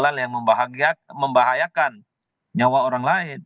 ugalan yang membahayakan nyawa orang lain